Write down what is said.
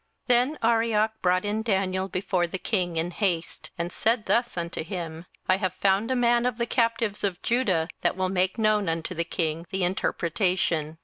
27:002:025 Then Arioch brought in Daniel before the king in haste, and said thus unto him, I have found a man of the captives of Judah, that will make known unto the king the interpretation.